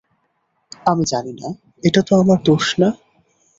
আমি জানি না এটা তো আমার দোষ না।